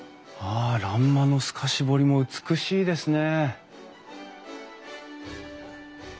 あ欄間の透かし彫りも美しいですね！